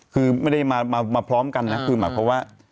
คือไม่ได้มาพร้อมกันนะคือหมายความว่า